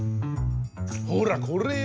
ほらこれよ。